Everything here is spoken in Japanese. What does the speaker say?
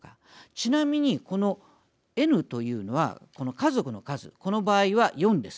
ちなみにＮというのは家族の数この場合は４です。